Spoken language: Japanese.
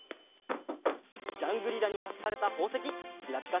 ジャングリラにかくされたほうせききらぴか